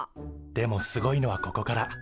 でもすごいのはここから。